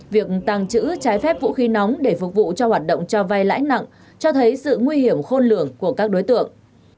việc tăng chữ trái phép vũ khí nóng để phục vụ cho hoạt động cho vay lãi nặng cho thấy sự nguy hiểm khôn lượng của các đối tượng